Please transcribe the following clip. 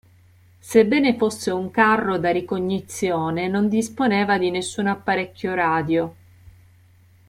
Sebbene fosse un carro da ricognizione, non disponeva di nessun apparecchio radio.